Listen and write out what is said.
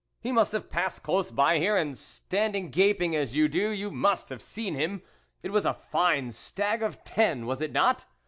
He must have passed close by here, and standing gaping as you do, you must have seen him. It was a fine stag of ten, was it not